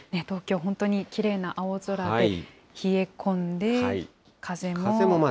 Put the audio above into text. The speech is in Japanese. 東京、本当にきれいな青空で、冷え込んで、風も。